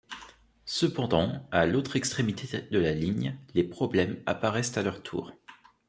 Cependant, à l’autre extrémité de la ligne, les problèmes apparaissent à leur tour.